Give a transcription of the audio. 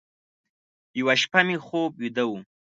یوه شپه مې خوب ویده و،